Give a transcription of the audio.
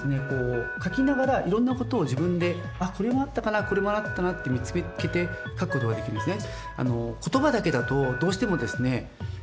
書きながらいろんなことを自分であっこれもあったかなこれもあったなって見つけて書くことができるんですね。